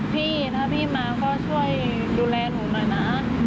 พี่ถ้าพี่มาก็ช่วยดูแลหนูหน่อยนะ